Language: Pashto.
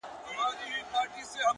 o سم د قصاب د قصابۍ غوندي،